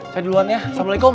saya duluan ya assalamualaikum